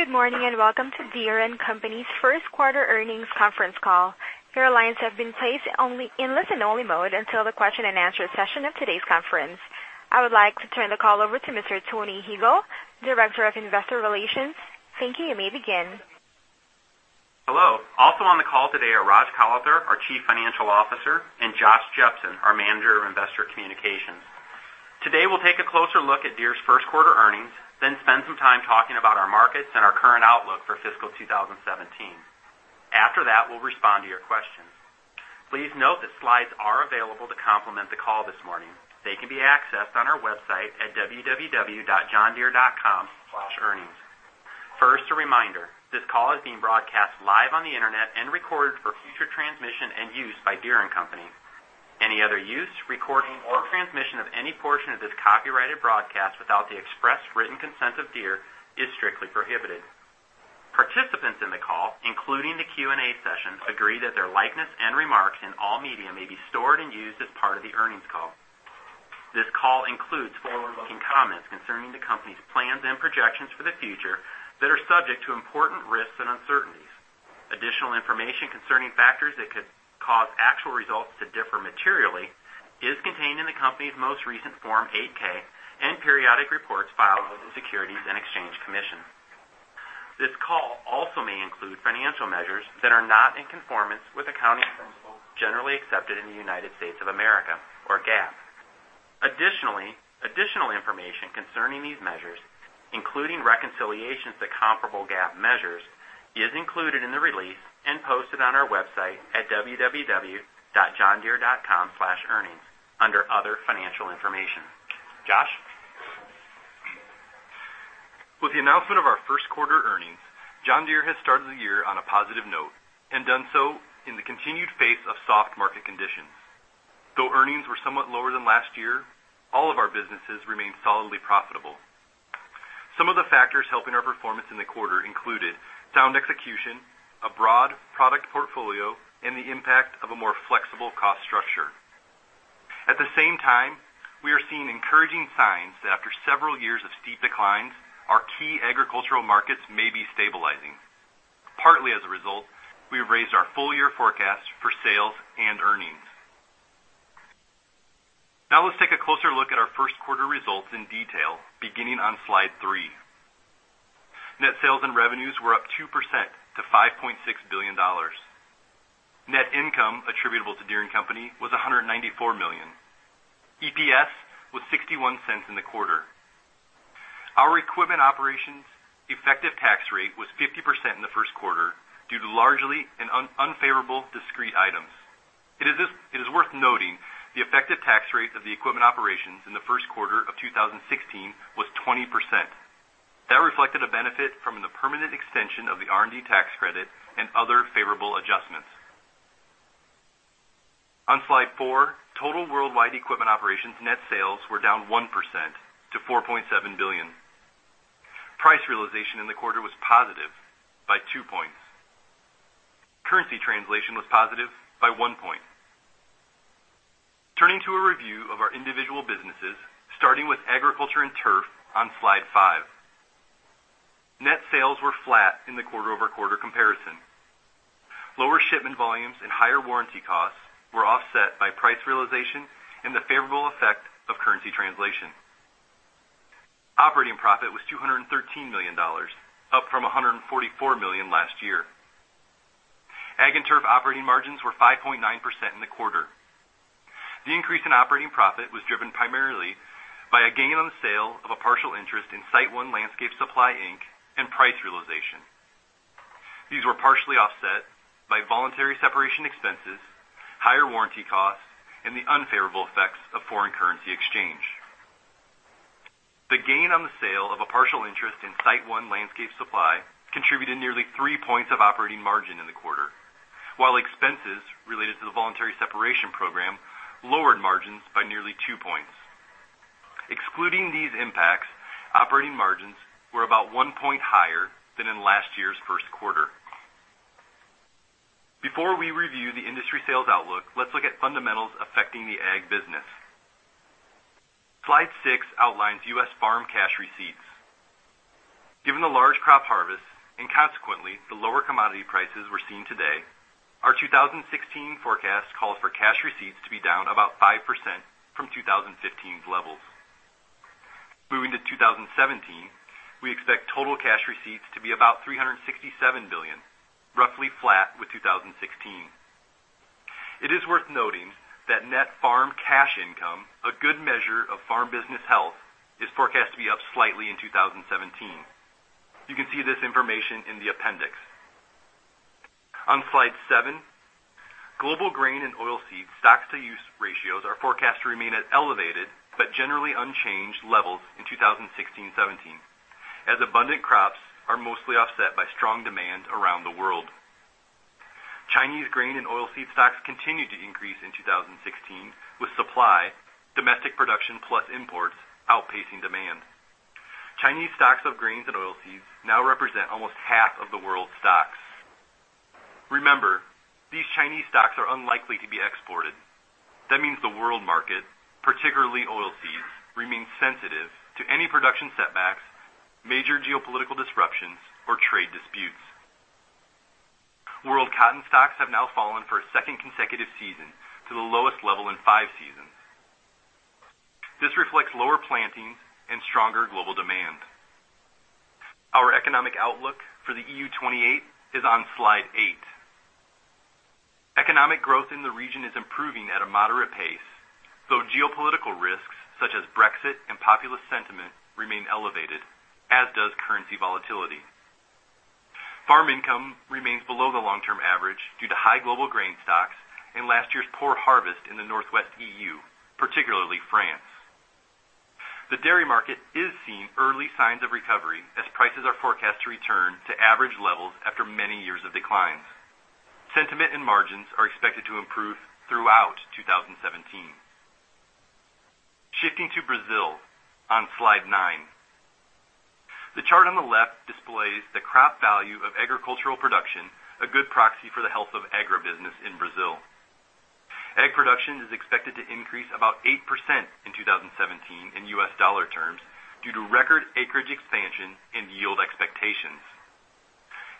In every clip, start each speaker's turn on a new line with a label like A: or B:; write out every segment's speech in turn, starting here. A: Good morning. Welcome to Deere & Company's first quarter earnings conference call. Your lines have been placed in listen-only mode until the question and answer session of today's conference. I would like to turn the call over to Mr. Tony Huegel, Director of Investor Relations. Thank you. You may begin.
B: Hello. Also on the call today are Rajesh Kalathur, our Chief Financial Officer, and Josh Jepsen, our Manager of Investor Communications. Today, we'll take a closer look at Deere's first quarter earnings, then spend some time talking about our markets and our current outlook for fiscal 2017. After that, we'll respond to your questions. Please note that slides are available to complement the call this morning. They can be accessed on our website at www.johndeere.com/earnings. First, a reminder, this call is being broadcast live on the internet and recorded for future transmission and use by Deere & Company. Any other use, recording, or transmission of any portion of this copyrighted broadcast without the express written consent of Deere is strictly prohibited. Participants in the call, including the Q&A session, agree that their likeness and remarks in all media may be stored and used as part of the earnings call. This call includes forward-looking comments concerning the company's plans and projections for the future that are subject to important risks and uncertainties. Additional information concerning factors that could cause actual results to differ materially is contained in the company's most recent Form 8-K and periodic reports filed with the Securities and Exchange Commission. This call also may include financial measures that are not in conformance with accounting principles generally accepted in the United States of America, or GAAP. Additional information concerning these measures, including reconciliations to comparable GAAP measures, is included in the release and posted on our website at www.johndeere.com/earnings under Other Financial Information. Josh?
C: With the announcement of our first quarter earnings, John Deere has started the year on a positive note and done so in the continued face of soft market conditions. Though earnings were somewhat lower than last year, all of our businesses remain solidly profitable. Some of the factors helping our performance in the quarter included sound execution, a broad product portfolio, and the impact of a more flexible cost structure. At the same time, we are seeing encouraging signs that after several years of steep declines, our key agricultural markets may be stabilizing. Partly as a result, we've raised our full year forecast for sales and earnings. Now let's take a closer look at our first quarter results in detail, beginning on slide three. Net sales and revenues were up 2% to $5.6 billion. Net income attributable to Deere & Company was $194 million. EPS was $0.61 in the quarter. Our equipment operations effective tax rate was 50% in the first quarter due to largely unfavorable discrete items. It is worth noting the effective tax rate of the equipment operations in the first quarter of 2016 was 20%. That reflected a benefit from the permanent extension of the R&D tax credit and other favorable adjustments. On Slide four, total worldwide equipment operations net sales were down 1% to $4.7 billion. Price realization in the quarter was positive by two points. Currency translation was positive by one point. Turning to a review of our individual businesses, starting with agriculture and turf on Slide five. Net sales were flat in the quarter-over-quarter comparison. Lower shipment volumes and higher warranty costs were offset by price realization and the favorable effect of currency translation. Operating profit was $213 million, up from $144 million last year. Ag and turf operating margins were 5.9% in the quarter. The increase in operating profit was driven primarily by a gain on the sale of a partial interest in SiteOne Landscape Supply, Inc., and price realization. These were partially offset by voluntary separation expenses, higher warranty costs, and the unfavorable effects of foreign currency exchange. The gain on the sale of a partial interest in SiteOne Landscape Supply contributed nearly three points of operating margin in the quarter, while expenses related to the voluntary separation program lowered margins by nearly two points. Excluding these impacts, operating margins were about one point higher than in last year's first quarter. Before we review the industry sales outlook, let's look at fundamentals affecting the ag business. Slide six outlines U.S. farm cash receipts. Given the large crop harvest and consequently the lower commodity prices we're seeing today, our 2016 forecast calls for cash receipts to be down about 5% from 2015 levels. Moving to 2017, we expect total cash receipts to be about $367 billion, roughly flat with 2016. It is worth noting that net farm cash income, a good measure of farm business health, is forecast to be up slightly in 2017. You can see this information in the appendix. On Slide seven, global grain and oilseed stocks-to-use ratios are forecast to remain at elevated but generally unchanged levels in 2016/2017, as abundant crops are mostly offset by strong demand around the world. Chinese grain and oilseed stocks continued to increase in 2016, with supply, domestic production, plus imports outpacing demand. Chinese stocks of grains and oilseeds now represent almost half of the world's stocks. Remember, these Chinese stocks are unlikely to be exported. That means the world market, particularly oilseeds, remains sensitive to any production setbacks, major geopolitical disruptions, or trade disputes. World cotton stocks have now fallen for a second consecutive season to the lowest level in five seasons. This reflects lower plantings and stronger global demand. Our economic outlook for the EU 28 is on Slide eight. Economic growth in the region is improving at a moderate pace, though geopolitical risks such as Brexit and populist sentiment remain elevated, as does currency volatility. Farm income remains below the long-term average due to high global grain stocks and last year's poor harvest in the Northwest EU, particularly France. The dairy market is seeing early signs of recovery as prices are forecast to return to average levels after many years of declines. Sentiment and margins are expected to improve throughout 2017. Shifting to Brazil on slide nine. The chart on the left displays the crop value of agricultural production, a good proxy for the health of agribusiness in Brazil. Ag production is expected to increase about 8% in 2017 in U.S. dollar terms due to record acreage expansion and yield expectations.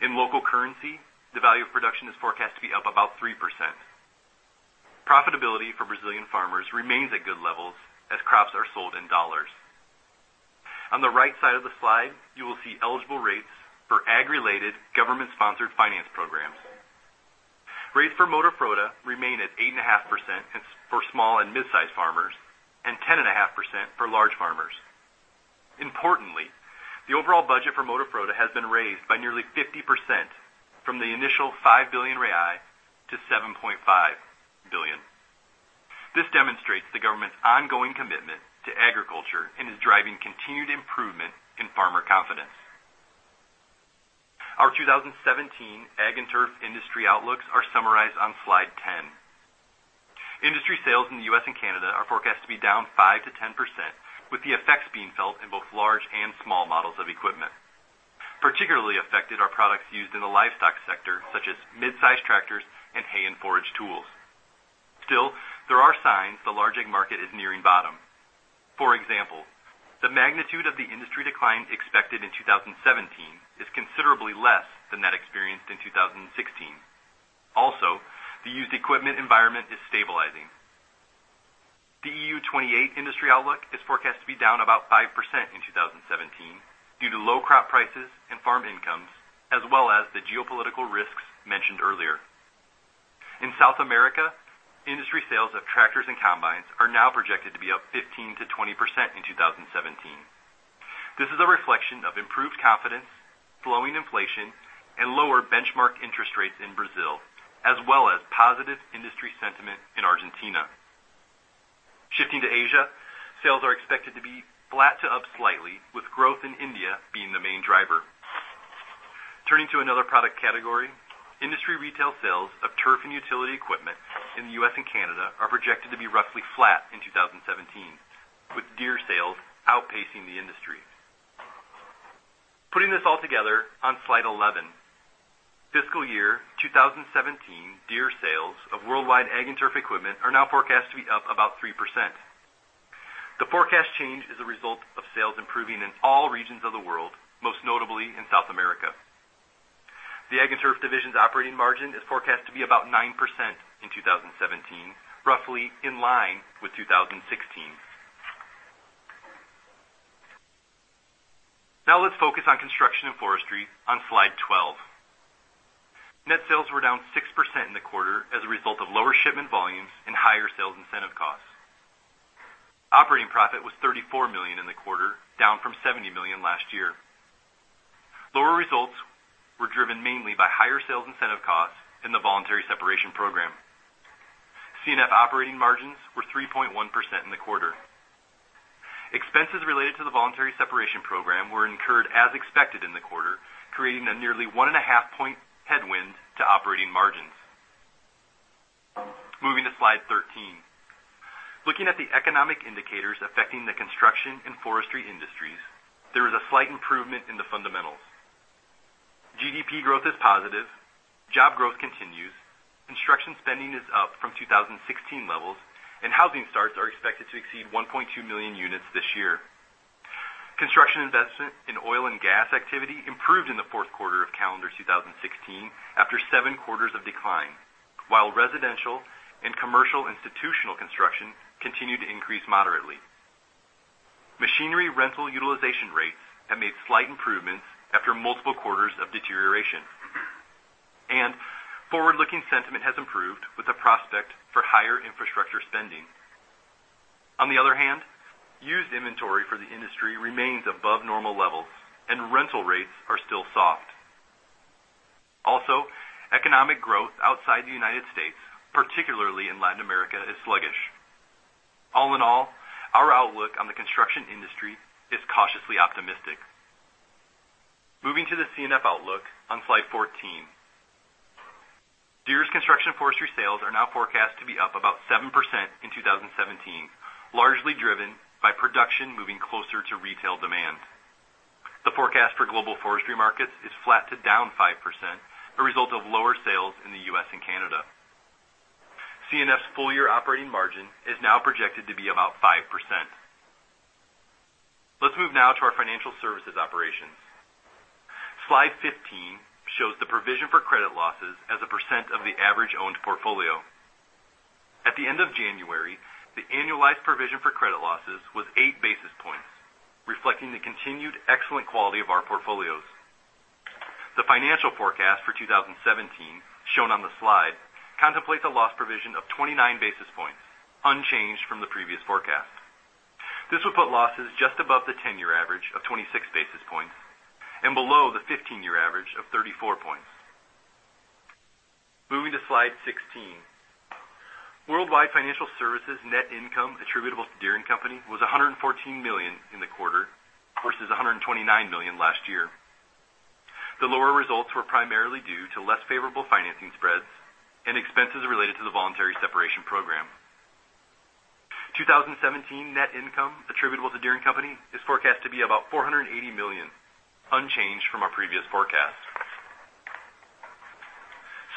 C: In local currency, the value of production is forecast to be up about 3%. Profitability for Brazilian farmers remains at good levels as crops are sold in $. On the right side of the slide, you will see eligible rates for ag-related government-sponsored finance programs. Rates for Moderfrota remain at 8.5% for small and mid-size farmers and 10.5% for large farmers. Importantly, the overall budget for Moderfrota has been raised by nearly 50% from the initial 5 billion to 7.5 billion. This demonstrates the government's ongoing commitment to agriculture and is driving continued improvement in farmer confidence. Our 2017 ag and turf industry outlooks are summarized on slide 10. Industry sales in the U.S. and Canada are forecast to be down 5%-10%, with the effects being felt in both large and small models of equipment. Particularly affected are products used in the livestock sector, such as mid-size tractors and hay and forage tools. Still, there are signs the large ag market is nearing bottom. For example, the magnitude of the industry decline expected in 2017 is considerably less than that experienced in 2016. Also, the used equipment environment is stabilizing. The EU 28 industry outlook is forecast to be down about 5% in 2017 due to low crop prices and farm incomes, as well as the geopolitical risks mentioned earlier. In South America, industry sales of tractors and combines are now projected to be up 15%-20% in 2017. This is a reflection of improved confidence, slowing inflation, and lower benchmark interest rates in Brazil, as well as positive industry sentiment in Argentina. Shifting to Asia, sales are expected to be flat to up slightly, with growth in India being the main driver. Turning to another product category, industry retail sales of turf and utility equipment in the U.S. and Canada are projected to be roughly flat in 2017, with Deere sales outpacing the industry. Putting this all together on slide 11. Fiscal year 2017 Deere sales of worldwide Ag and Turf equipment are now forecast to be up about 3%. The forecast change is a result of sales improving in all regions of the world, most notably in South America. The Ag and Turf division's operating margin is forecast to be about 9% in 2017, roughly in line with 2016. Now let's focus on Construction and Forestry on slide 12. Net sales were down 6% in the quarter as a result of lower shipment volumes and higher sales incentive costs. Operating profit was $34 million in the quarter, down from $70 million last year. Lower results were driven mainly by higher sales incentive costs in the voluntary separation program. C&F operating margins were 3.1% in the quarter. Expenses related to the voluntary separation program were incurred as expected in the quarter, creating a nearly one and a half point headwind to operating margins. Moving to slide 13. Looking at the economic indicators affecting the Construction and Forestry industries, there is a slight improvement in the fundamentals. GDP growth is positive. Job growth continues. Construction spending is up from 2016 levels, and housing starts are expected to exceed 1.2 million units this year. Construction investment in oil and gas activity improved in the fourth quarter of calendar 2016 after seven quarters of decline, while residential and commercial institutional construction continued to increase moderately. Machinery rental utilization rates have made slight improvements after multiple quarters of deterioration. Forward-looking sentiment has improved with the prospect for higher infrastructure spending. On the other hand, used inventory for the industry remains above normal levels and rental rates are still soft. Also, economic growth outside the U.S., particularly in Latin America, is sluggish. All in all, our outlook on the construction industry is cautiously optimistic. Moving to the C&F outlook on slide 14. Deere's Construction & Forestry sales are now forecast to be up about 7% in 2017, largely driven by production moving closer to retail demand. The forecast for global forestry markets is flat to down 5%, a result of lower sales in the U.S. and Canada. C&F's full-year operating margin is now projected to be about 5%. Let's move now to our financial services operations. Slide 15 shows the provision for credit losses as a percent of the average owned portfolio. At the end of January, the annualized provision for credit losses was eight basis points, reflecting the continued excellent quality of our portfolios. The financial forecast for 2017, shown on the slide, contemplates a loss provision of 29 basis points, unchanged from the previous forecast. This would put losses just above the 10-year average of 26 basis points and below the 15-year average of 39 basis points. Moving to slide 16. Worldwide financial services net income attributable to Deere & Company was $114 million in the quarter versus $129 million last year. The lower results were primarily due to less favorable financing spreads and expenses related to the voluntary separation program. 2017 net income attributable to Deere & Company is forecast to be about $480 million, unchanged from our previous forecast.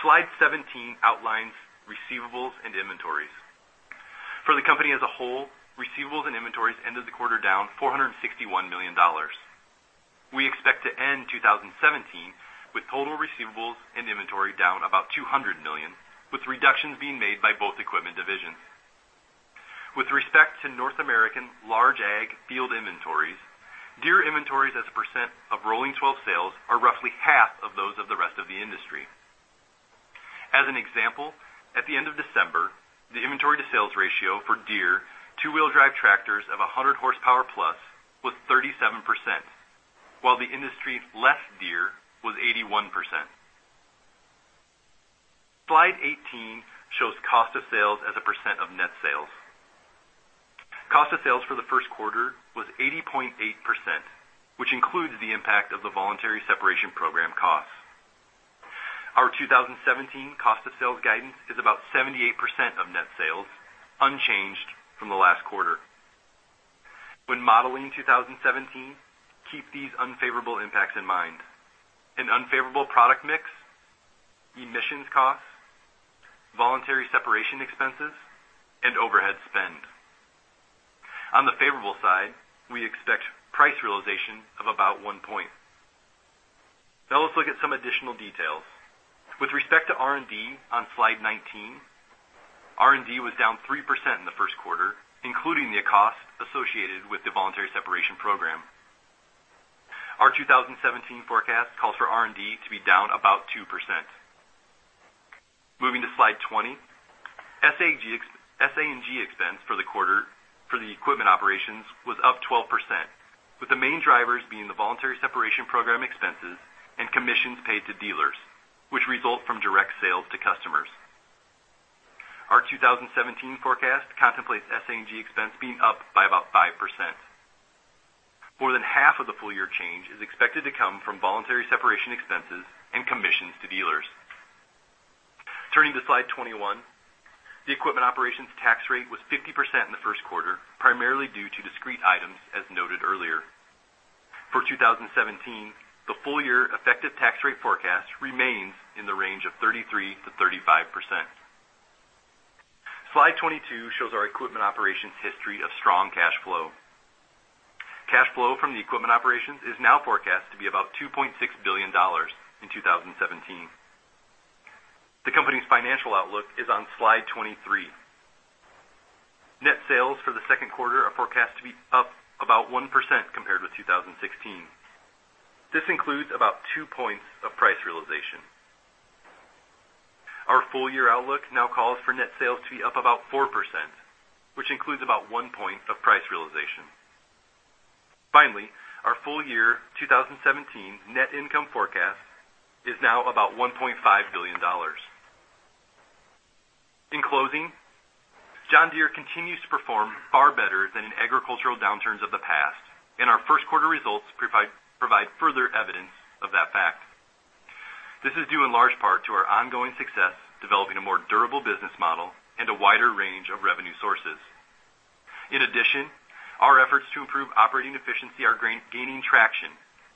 C: Slide 17 outlines receivables and inventories. For the company as a whole, receivables and inventories ended the quarter down $461 million. We expect to end 2017 with total receivables and inventory down about $200 million, with reductions being made by both equipment divisions. With respect to North American large ag field inventories, Deere inventories as a percent of rolling 12 sales are roughly half of those of the rest of the industry. As an example, at the end of December, the inventory-to-sales ratio for Deere two-wheel drive tractors of 100 horsepower-plus was 37%, while the industry less Deere was 81%. Slide 18 shows cost of sales as a percent of net sales. Cost of sales for the first quarter was 80.8%, which includes the impact of the voluntary separation program costs. Our 2017 cost of sales guidance is about 78% of net sales, unchanged from the last quarter. When modeling 2017, keep these unfavorable impacts in mind: an unfavorable product mix, emissions costs, voluntary separation expenses, and overhead spend. On the favorable side, we expect price realization of about one point. Now let's look at some additional details. With respect to R&D on slide 19, R&D was down 3% in the first quarter, including the cost associated with the voluntary separation program. Our 2017 forecast calls for R&D to be down about 2%. Moving to slide 20. SA&G expense for the quarter for the equipment operations was up 12%, with the main drivers being the voluntary separation program expenses and commissions paid to dealers, which result from direct sales to customers. Our 2017 forecast contemplates SA&G expense being up by about 5%. More than half of the full-year change is expected to come from voluntary separation expenses and commissions to dealers. Turning to slide 21. The equipment operations tax rate was 50% in the first quarter, primarily due to discrete items, as noted earlier. For 2017, the full-year effective tax rate forecast remains in the range of 33%-35%. Slide 22 shows our equipment operations history of strong cash flow. Cash flow from the equipment operations is now forecast to be about $2.6 billion in 2017. The company's financial outlook is on slide 23. Net sales for the second quarter are forecast to be up about 1% compared with 2016. This includes about two points of price realization. Our full-year outlook now calls for net sales to be up about 4%, which includes about one point of price realization. Finally, our full-year 2017 net income forecast is now about $1.5 billion. In closing, John Deere continues to perform far better than in agricultural downturns of the past, and our first quarter results provide further evidence of that fact. This is due in large part to our ongoing success developing a more durable business model and a wider range of revenue sources. In addition, our efforts to improve operating efficiency are gaining traction,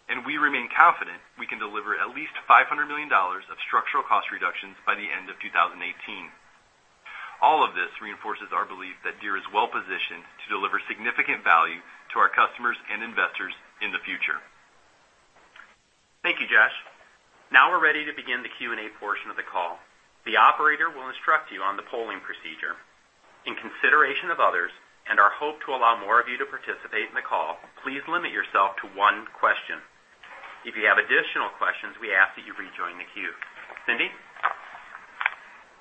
C: and we remain confident we can deliver at least $500 million of structural cost reductions by the end of 2018. All of this reinforces our belief that Deere is well positioned to deliver significant value to our customers and investors in the future.
B: Thank you, Josh. Now we're ready to begin the Q&A portion of the call. The operator will instruct you on the polling procedure. In consideration of others and our hope to allow more of you to participate in the call, please limit yourself to one question. If you have additional questions, we ask that you rejoin the queue. Cindy?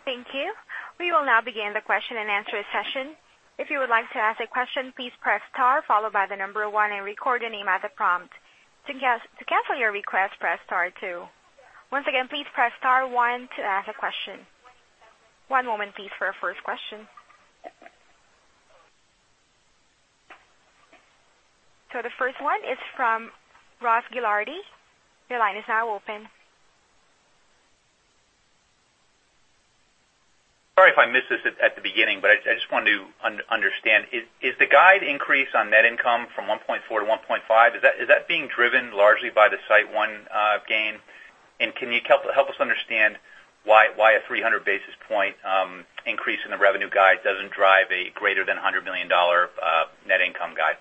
A: Thank you. We will now begin the question-and-answer session. If you would like to ask a question, please press star followed by the number one and record your name at the prompt. To cancel your request, press star two. Once again, please press star one to ask a question. One moment please for our first question. The first one is from Ross Gilardi. Your line is now open.
D: Sorry if I missed this at the beginning, I just wanted to understand. Is the guide increase on net income from 1.4 to 1.5, is that being driven largely by the SiteOne gain? Can you help us understand why a 300 basis point increase in the revenue guide doesn't drive a greater than $100 million net income guide?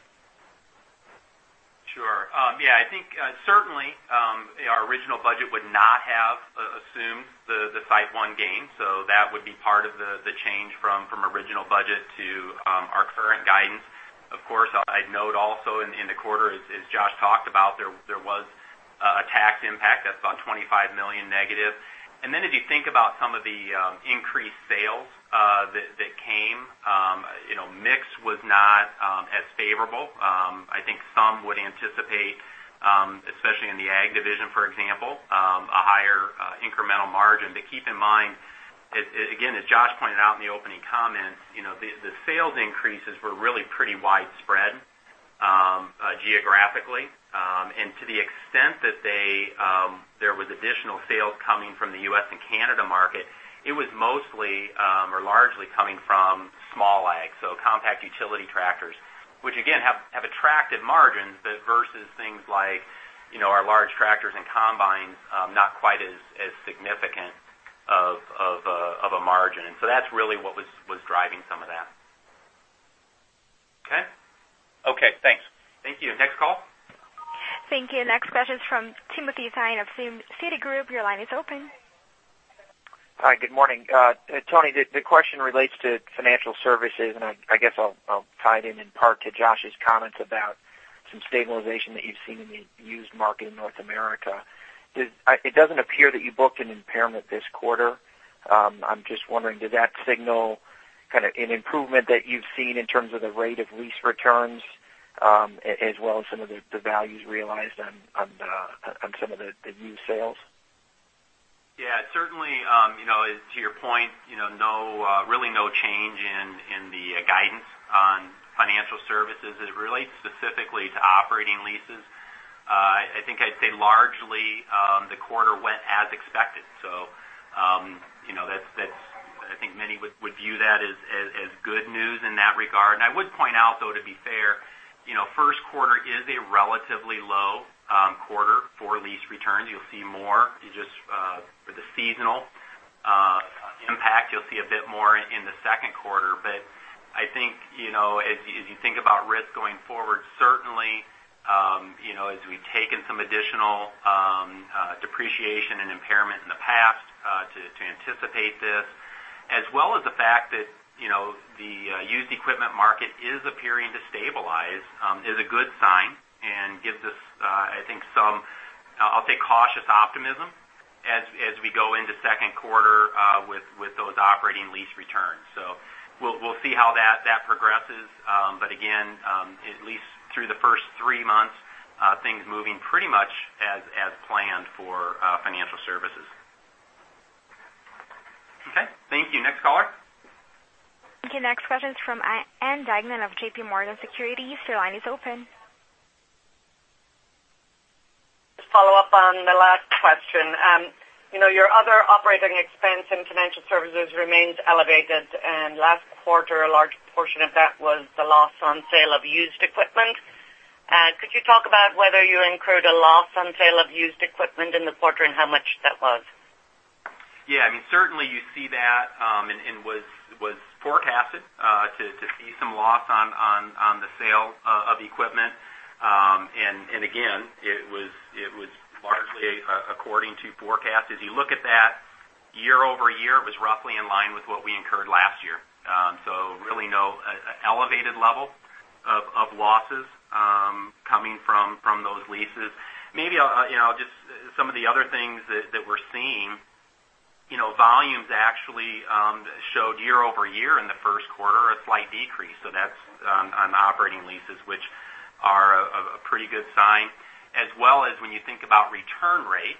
B: Sure. Yeah, I think certainly, our original budget would not have assumed the SiteOne gain. That would be part of the change from original budget to our current guidance. Of course, I'd note also in the quarter, as Josh talked about, there was a tax impact that's about $25 million negative. If you think about some of the increased sales that came, mix was not as favorable. I think some would anticipate, especially in the ag division, for example, a higher incremental margin. Keep in mind, again, as Josh pointed out in the opening comments, the sales increases were really pretty widespread geographically. To the extent that there was additional sales coming from the U.S. and Canada market, it was mostly, or largely coming from small ag. Compact utility tractors, which again, have attractive margins versus things like our large tractors and combines, not quite as significant of a margin. That's really what was driving some of that. Okay?
D: Okay, thanks.
B: Thank you. Next call.
A: Thank you. Next question's from Timothy Thein of Citigroup. Your line is open.
E: Hi, good morning. Tony, the question relates to financial services, and I guess I'll tie it in in part to Josh's comments about some stabilization that you've seen in the used market in North America. It doesn't appear that you booked an impairment this quarter. I'm just wondering, did that signal kind of an improvement that you've seen in terms of the rate of lease returns, as well as some of the values realized on some of the used sales?
B: Yeah, certainly, to your point, really no change in the guidance on financial services as it relates specifically to operating leases. I think I'd say largely, the quarter went as expected. I think many would view that as good news in that regard. I would point out, though, to be fair, first quarter is a relatively low quarter for lease returns. You'll see more just with the seasonal impact. You'll see a bit more in the second quarter. I think as you think about risk going forward, certainly as we've taken some additional depreciation and impairment in the past to anticipate this, as well as the fact that the used equipment market is appearing to stabilize is a good sign and gives us, I think some, I'll say cautious optimism as we go into second quarter with those operating lease returns. We'll see how that progresses. Again, at least through the first three months, things moving pretty much as planned for financial services. Okay. Thank you. Next caller.
A: Thank you. Next question is from Ann Duignan of J.P. Morgan Securities. Your line is open.
F: Just follow up on the last question. Your other operating expense and financial services remains elevated, and last quarter, a large portion of that was the loss on sale of used equipment. Could you talk about whether you incurred a loss on sale of used equipment in the quarter and how much that was?
B: Yeah. Certainly you see that and was forecasted to see some loss on the sale of equipment. Again, it was largely according to forecast. As you look at that year-over-year, it was roughly in line with what we incurred last year. Really no elevated level of losses coming from those leases. Maybe just some of the other things that we're seeing, volumes actually showed year-over-year in the first quarter, a slight decrease. That's on operating leases, which are a pretty good sign. As well as when you think about return rates,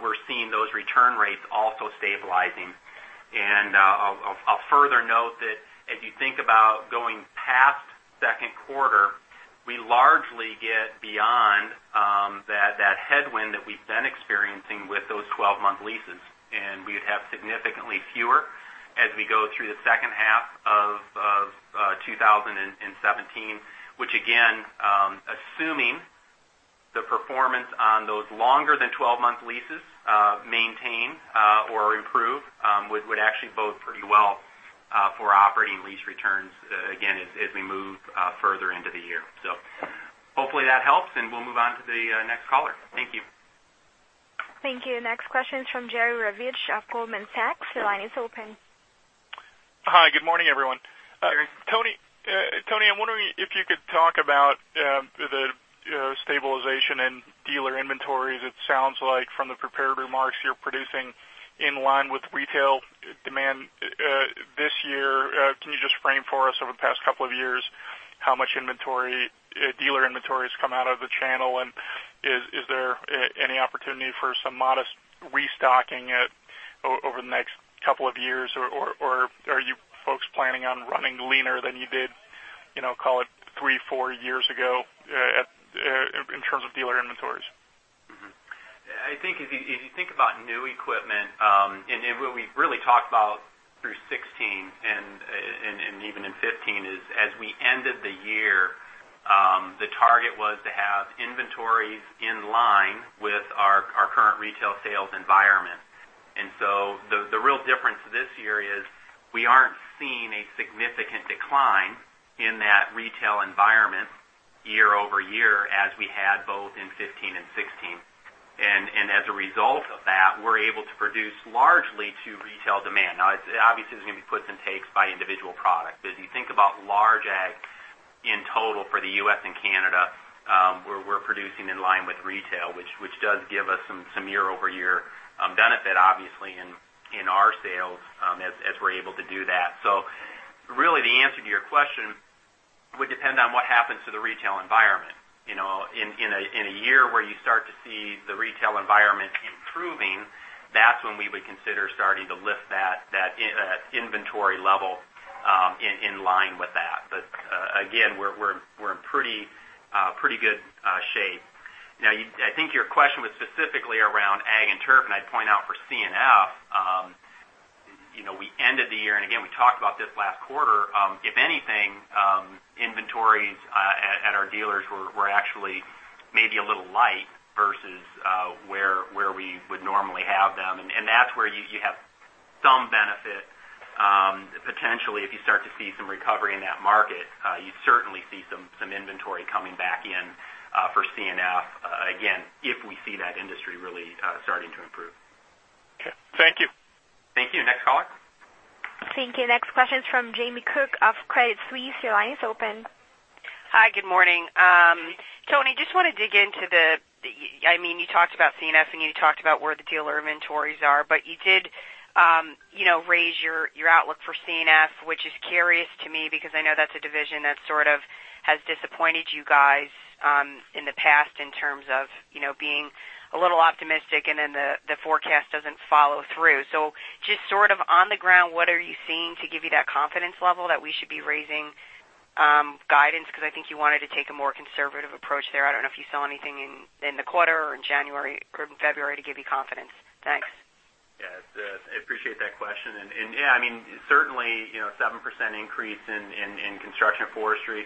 B: we're seeing those return rates also stabilizing. I'll further note that if you think about going past second quarter, we largely get beyond that headwind that we've been experiencing with those 12-month leases. We would have significantly fewer as we go through the second half of 2017, which again, assuming the performance on those longer than 12-month leases maintain or improve would actually bode pretty well for operating lease returns again, as we move further into the year. Hopefully that helps, and we'll move on to the next caller. Thank you.
A: Thank you. Next question is from Jerry Revich of Goldman Sachs. Your line is open.
G: Hi, good morning, everyone.
B: Hi, Jerry.
G: Tony, I'm wondering if you could talk about the stabilization in dealer inventories. It sounds like from the prepared remarks you're producing in line with retail demand this year. Can you just frame for us over the past couple of years how much dealer inventory has come out of the channel? Is there any opportunity for some modest restocking at Over the next couple of years, or are you folks planning on running leaner than you did call it three, four years ago in terms of dealer inventories?
B: I think if you think about new equipment, and what we've really talked about through 2016 and even in 2015, is as we ended the year, the target was to have inventories in line with our current retail sales environment. The real difference this year is we aren't seeing a significant decline in that retail environment year-over-year as we had both in 2015 and 2016. As a result of that, we're able to produce largely to retail demand. Now, obviously, there's going to be puts and takes by individual product. As you think about large ag in total for the U.S. and Canada, we're producing in line with retail, which does give us some year-over-year benefit, obviously, in our sales as we're able to do that. Really, the answer to your question would depend on what happens to the retail environment. In a year where you start to see the retail environment improving, that's when we would consider starting to lift that inventory level in line with that. Again, we're in pretty good shape. I think your question was specifically around ag and turf, and I'd point out for C&F, we ended the year, and again, we talked about this last quarter. If anything, inventories at our dealers were actually maybe a little light versus where we would normally have them, and that's where you have some benefit. Potentially, if you start to see some recovery in that market, you'd certainly see some inventory coming back in for C&F. If we see that industry really starting to improve.
G: Thank you.
B: Thank you. Next caller.
A: Thank you. Next question is from Jamie Cook of Credit Suisse. Your line is open.
H: Hi, good morning. Tony, just want to dig into. You talked about C&F, and you talked about where the dealer inventories are, but you did raise your outlook for C&F, which is curious to me because I know that's a division that sort of has disappointed you guys in the past in terms of being a little optimistic and then the forecast doesn't follow through. Just sort of on the ground, what are you seeing to give you that confidence level that we should be raising guidance? Because I think you wanted to take a more conservative approach there. I don't know if you saw anything in the quarter or in January or February to give you confidence. Thanks.
B: Yeah. I appreciate that question. Yeah, certainly, 7% increase in Construction & Forestry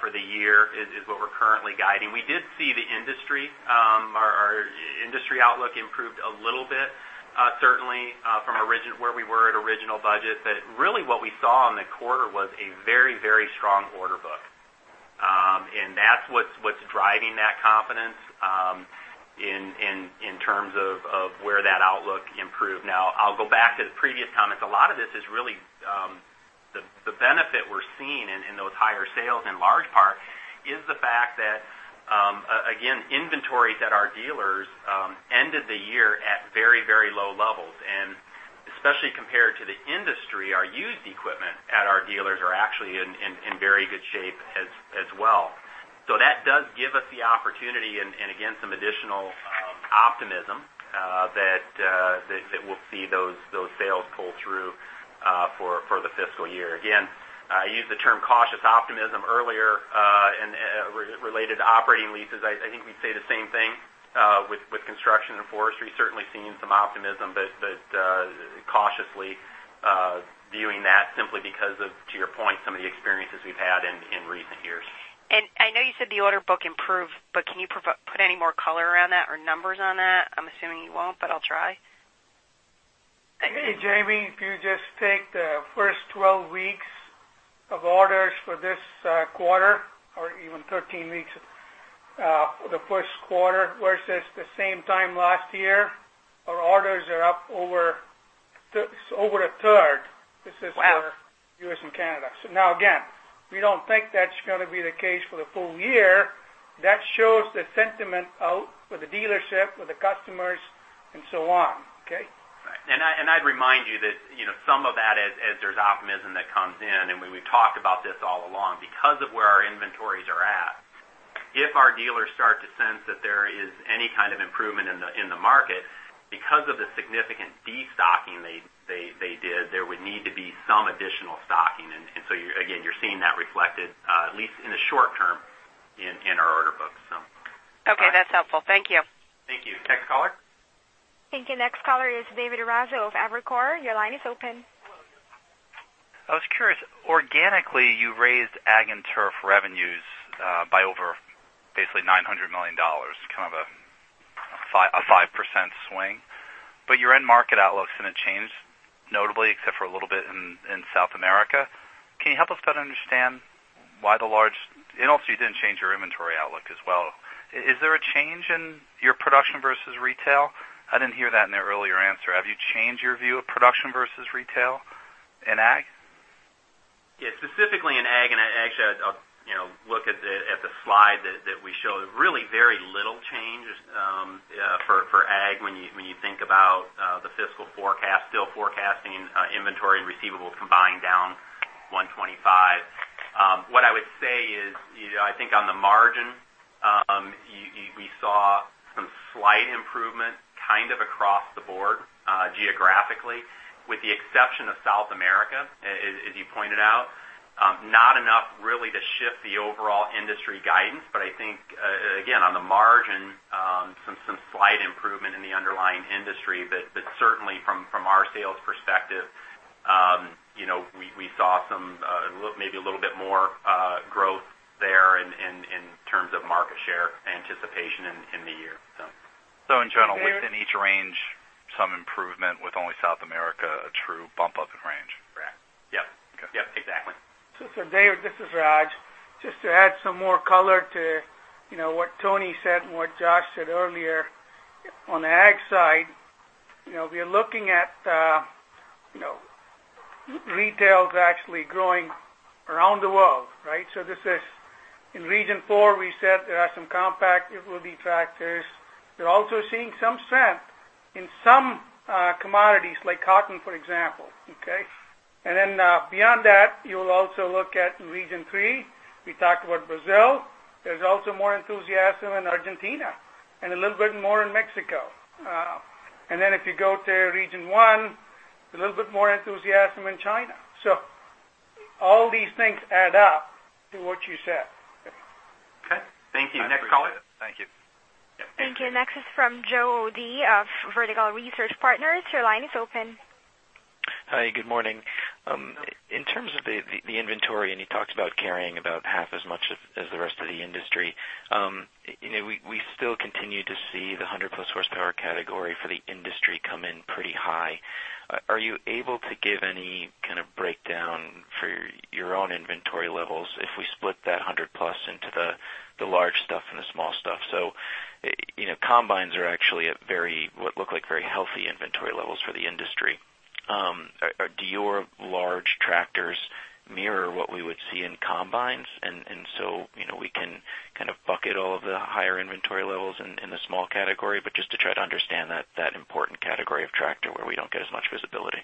B: for the year is what we're currently guiding. We did see the industry. Our industry outlook improved a little bit certainly from where we were at original budget. Really what we saw in the quarter was a very strong order book. That's what's driving that confidence in terms of where that outlook improved. Now, I'll go back to the previous comments. A lot of this is really the benefit we're seeing in those higher sales in large part is the fact that, again, inventories at our dealers ended the year at very low levels, and especially compared to the industry, our used equipment at our dealers are actually in very good shape as well. That does give us the opportunity and, again, some additional optimism that we'll see those sales pull through for the fiscal year. Again, I used the term cautious optimism earlier related to operating leases. I think we'd say the same thing with Construction & Forestry. Certainly seeing some optimism, cautiously viewing that simply because of, to your point, some of the experiences we've had in recent years.
H: I know you said the order book improved, can you put any more color around that or numbers on that? I'm assuming you won't, I'll try.
I: Hey, Jamie, if you just take the first 12 weeks of orders for this quarter or even 13 weeks for the first quarter versus the same time last year, our orders are up over a third.
H: Wow.
I: This is for U.S. and Canada. Now again, we don't think that's going to be the case for the full year. That shows the sentiment out for the dealership, for the customers, and so on, okay?
B: Right. I'd remind you that some of that as there's optimism that comes in, and we've talked about this all along. Because of where our inventories are at, if our dealers start to sense that there is any kind of improvement in the market because of the significant destocking they did, there would need to be some additional stocking. Again, you're seeing that reflected, at least in the short term, in our order books.
H: Okay. That's helpful. Thank you.
B: Thank you. Next caller?
A: Thank you. Next caller is David Raso of Evercore. Your line is open.
J: I was curious. Organically, you raised Ag and Turf revenues by over basically $900 million, kind of a 5% swing. Your end market outlook hasn't changed notably, except for a little bit in South America. Can you help us better understand? Also, you didn't change your inventory outlook as well. Is there a change in your production versus retail? I didn't hear that in the earlier answer. Have you changed your view of production versus retail in Ag?
B: Specifically in Ag, actually, I'll look at the slide that we show. Really very little change for Ag when you think about the fiscal forecast, still forecasting inventory and receivables combined down $125. What I would say is, I think on the margin, we saw some slight improvement kind of across the board geographically, with the exception of South America, as you pointed out. Not enough, really, to shift the overall industry guidance. I think, again, on the margin, some slight improvement in the underlying industry that certainly from our sales perspective, we saw maybe a little bit more growth there in terms of market share anticipation in the year.
J: In general, within each range, some improvement with only South America, a true bump up in range.
B: Correct. Yep.
J: Okay.
B: Yep, exactly.
I: For David, this is Raj. Just to add some more color to what Tony said and what Josh said earlier. On the ag side, we are looking at retails actually growing around the world, right? This is in region 4, we said there are some compact utility tractors. You're also seeing some strength in some commodities, like cotton, for example, okay? Beyond that, you'll also look at region 3. We talked about Brazil. There's also more enthusiasm in Argentina and a little bit more in Mexico. If you go to region 1, a little bit more enthusiasm in China. All these things add up to what you said.
B: Okay. Thank you. Next caller?
J: Thank you.
B: Yeah.
A: Thank you. Next is from Joe O'Dea of Vertical Research Partners. Your line is open.
K: Hi. Good morning. In terms of the inventory, you talked about carrying about half as much as the rest of the industry. We still continue to see the 100-plus horsepower category for the industry come in pretty high. Are you able to give any kind of breakdown for your own inventory levels if we split that 100 plus into the large stuff and the small stuff? Combines are actually at what look like very healthy inventory levels for the industry. Do your large tractors mirror what we would see in combines? We can kind of bucket all of the higher inventory levels in the small category, but just to try to understand that important category of tractor where we don't get as much visibility.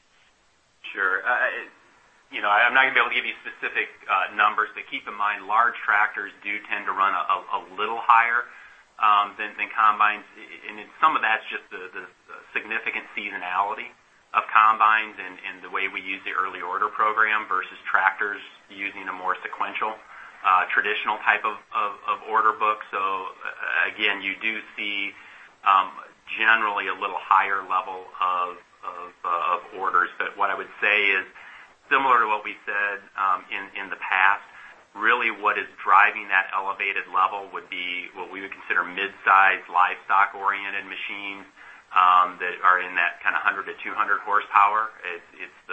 B: Sure. I'm not going to be able to give you specific numbers. Keep in mind, large tractors do tend to run a little higher than combines. Some of that's just the significant seasonality of combines and the way we use the early order program versus tractors using a more sequential, traditional type of order book. Again, you do see generally a little higher level of orders. What I would say is similar to what we said in the past, really what is driving that elevated level would be what we would consider mid-size livestock-oriented machines that are in that kind of 100-200 horsepower. It's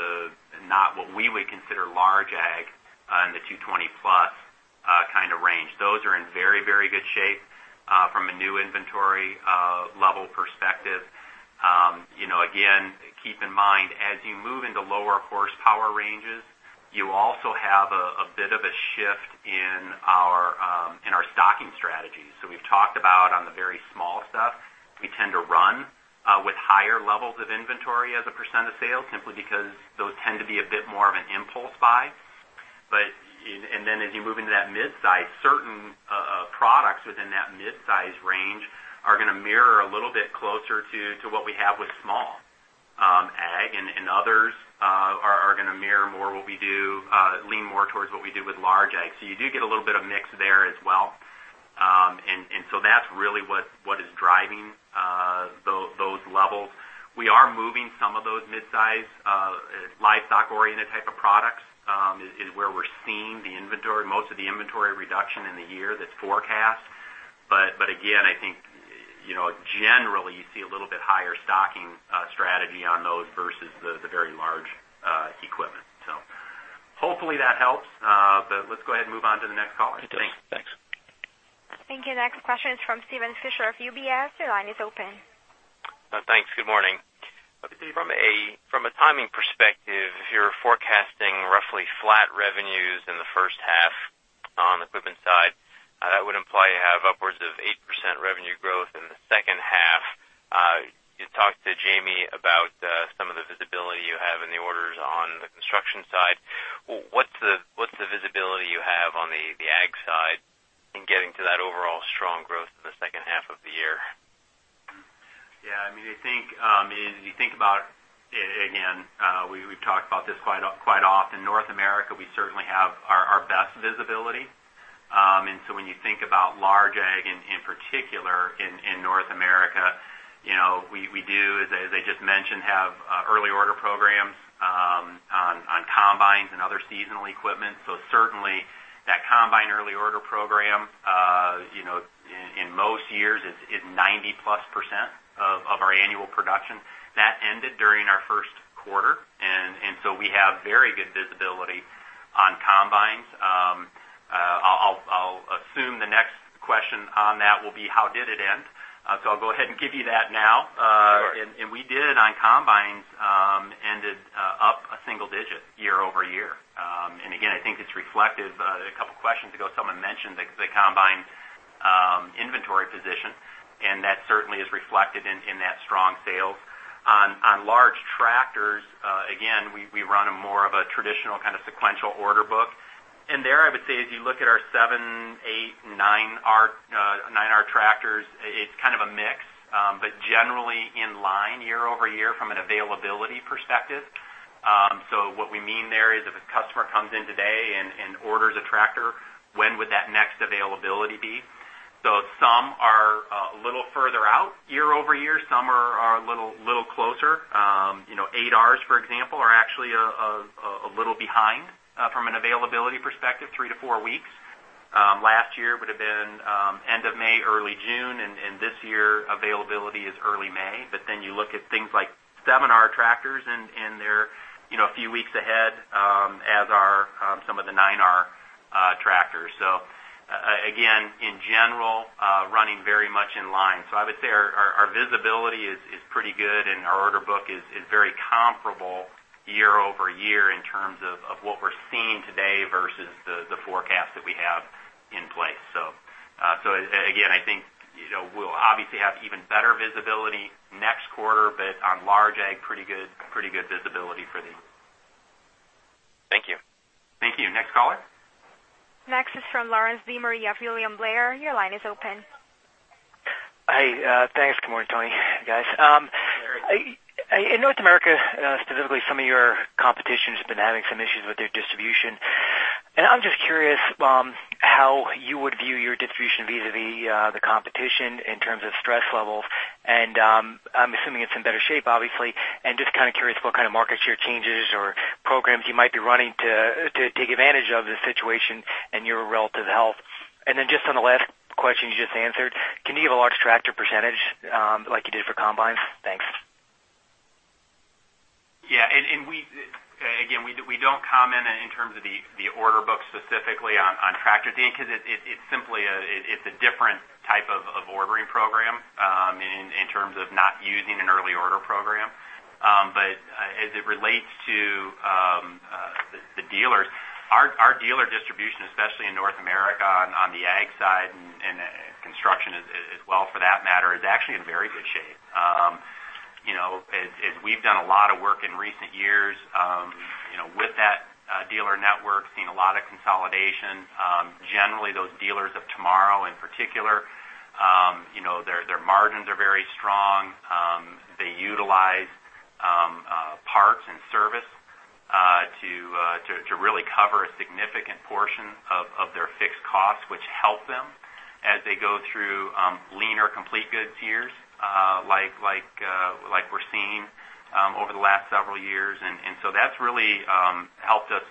B: not what we would consider large ag in the 220+ kind of range. Those are in very good shape from a new inventory level perspective. Again, keep in mind, as you move into lower horsepower ranges, you also have a bit of a shift in our stocking strategies. We've talked about on the very small stuff, we tend to run with higher levels of inventory as a percent of sales simply because those tend to be a bit more of an impulse buy. As you move into that mid-size, certain products within that mid-size range are going to mirror a little bit closer to what we have with small ag, and others are going to mirror more what we do, lean more towards what we do with large ag. You do get a little bit of mix there as well. That's really what is driving those levels. We are moving some of those mid-size, livestock-oriented type of products, is where we're seeing most of the inventory reduction in the year that's forecast. Again, I think generally, you see a little bit higher stocking strategy on those versus the very large equipment. Hopefully that helps. Let's go ahead and move on to the next caller. Thanks.
K: It does. Thanks.
A: Thank you. Next question is from Steven Fisher of UBS. Your line is open.
L: Thanks. Good morning. From a timing perspective, if you're forecasting roughly flat revenues in the first half on equipment side, that would imply you have upwards of 8% revenue growth in the second half. You talked to Jamie about some of the visibility you have in the orders on the construction side. What's the visibility you have on the ag side in getting to that overall strong growth in the second half of the year?
B: Yeah, if you think about it, again, we've talked about this quite often. North America, we certainly have our best visibility. When you think about large ag, in particular in North America, we do, as I just mentioned, have early order programs on combines and other seasonal equipment. Certainly, that combine early order program, in most years is 90-plus % of our annual production. That ended during our first quarter. We have very good visibility on combines. I'll assume the next question on that will be how did it end? I'll go ahead and give you that now.
L: Sure.
B: We did on combines ended up a single digit year-over-year. Again, I think it's reflective. A couple questions ago, someone mentioned the combine inventory position, and that certainly is reflected in that strong sales. On large tractors, again, we run a more of a traditional kind of sequential order book. There, I would say, if you look at our 7R, 8R, and 9R tractors, it's kind of a mix, but generally in line year-over-year from an availability perspective. What we mean there is if a customer comes in today and orders a tractor, when would that next availability be? Some are a little further out year-over-year. Some are a little closer. 8Rs, for example, are actually a little behind from an availability perspective, three to four weeks. Last year would have been end of May, early June, and this year, availability is early May. You look at things like 7R tractors, and they're a few weeks ahead, as are some of the 9R tractors. Again, in general, running very much in line. I would say our visibility is pretty good, and our order book is very comparable year-over-year in terms of what we're seeing today versus the forecast that we have in place. Again, I think we'll obviously have even better visibility next quarter, but on large ag, pretty good visibility for the.
L: Thank you.
B: Thank you. Next caller?
A: Next is from Lawrence B. Murray of William Blair. Your line is open.
M: Hi. Thanks. Good morning, Tony. Hey, guys.
B: Hi, Larry.
M: In North America, specifically, some of your competition has been having some issues with their distribution. I'm just curious how you would view your distribution vis-a-vis the competition in terms of stress levels. I'm assuming it's in better shape, obviously. Just kind of curious what kind of market share changes or programs you might be running to take advantage of the situation and your relative health. Then just on the last question you just answered, can you give a large tractor percentage like you did for combines? Thanks.
B: Again, we don't comment in terms of the order book specifically on tractors, because it's a different type of ordering program in terms of not using an early order program. As it relates to the dealers, our dealer distribution, especially in North America on the ag side and construction as well for that matter, is actually in very good shape. We've done a lot of work in recent years with that dealer network, seen a lot of consolidation. Generally, those dealers of tomorrow, in particular, their margins are very strong. They utilize parts and service to really cover a significant portion of their fixed costs, which help them as they go through leaner complete goods years, like we're seeing over the last several years. So that's really helped us